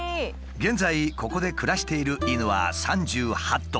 現在ここで暮らしている犬は３８頭。